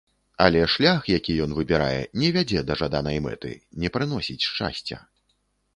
Але шлях, які ён выбірае, не вядзе да жаданай мэты, не прыносіць шчасця.